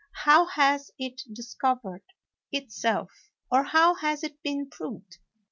How has it discovered itself, or how has it been proved?